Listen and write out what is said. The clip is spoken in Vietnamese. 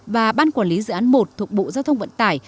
và ban quản lý dự án một thuộc bộ giao thông vận tải